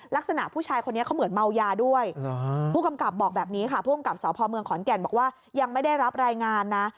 ลักษณะผู้ชายคนนี้เขาเหมือนเมายาด้วยผู้กำกับบอกแบบนี้ค่ะผู้กำกับสพเมืองขอนแก่นบอกว่ายังไม่ได้รับรายงานนะ